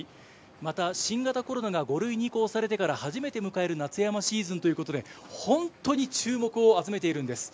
また、新型コロナが５類に移行されてから、初めて迎える夏山シーズンということで、本当に注目を集めているんです。